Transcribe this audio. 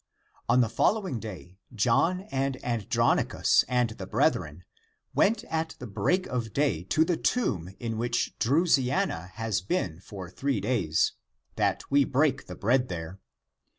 On the following day John and Andronicus and the brethren, went at the break of day to the tomb in which Drusiana has been for three days, that we break the bread there.